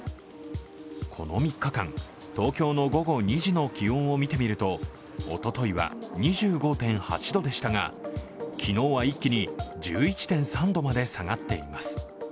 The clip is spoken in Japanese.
この３日間、東京の午後２時の気温を見て見るとおとといは２５．８度でしたが昨日は一気に１１．３度まで下がっています。